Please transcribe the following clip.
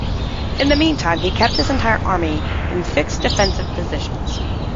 In the meantime, he kept his entire army in fixed defensive positions.